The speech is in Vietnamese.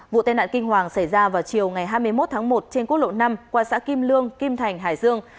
vụ tai nạn kinh hoàng xảy ra vào chiều ngày hai mươi một tháng một trên quốc lộ năm qua xã kim lương kim thành hải dương